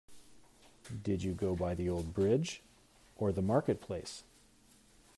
Did you go by the old bridge, or the market-place?